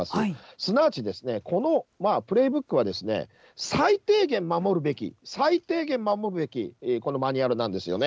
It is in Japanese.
すなわちこのプレーブックは最低限、守るべき、最低限守るべきこのマニュアルなんですね。